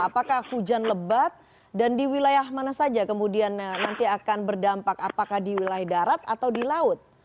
apakah hujan lebat dan di wilayah mana saja kemudian nanti akan berdampak apakah di wilayah darat atau di laut